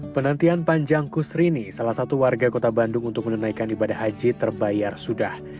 penantian panjang kusrini salah satu warga kota bandung untuk menunaikan ibadah haji terbayar sudah